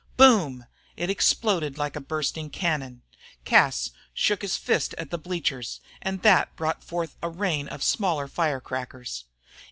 "Boom!" It exploded like a bursting cannon. Cas shook his fist at the bleachers, and that brought forth a rain of smaller fire crackers.